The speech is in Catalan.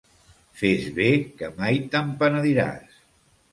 Fes bé, que mai te'n penediràs.